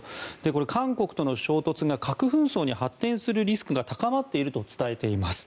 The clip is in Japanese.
これ、韓国との衝突が核紛争に発展するリスクが高まっていると伝えています。